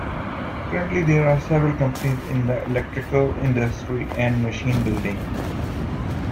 Currently, there are several companies in the electrical industry and machine building.